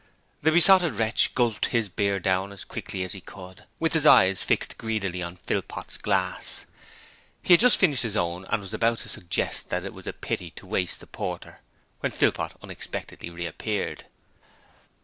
The Besotted Wretch gulped his beer down as quickly as he could, with his eyes fixed greedily on Philpot's glass. He had just finished his own and was about to suggest that it was a pity to waste the porter when Philpot unexpectedly reappeared.